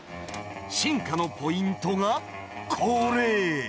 進化のポイントがこれ。